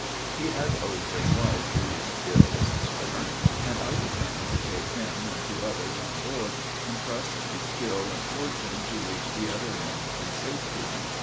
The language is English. _" He had owed his life to his skill as a swimmer, and I determined to take him and two others on board, and trust to skill and fortune to reach the other end in safety.